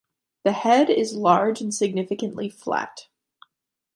The head is large and significantly flat.